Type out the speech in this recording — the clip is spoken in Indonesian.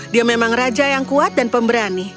dia memang raja yang kuat dan pemberani